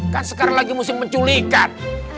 kan sekarang lagi musim penculikan